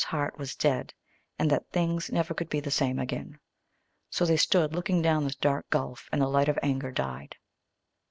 "] in the other's heart was dead, and that things never could be the same again. So they stood looking down this dark gulf, and the light of anger died.